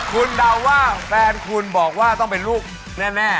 คุณเดาว่าแฟนคุณบอกว่าต้องเป็นลูกแน่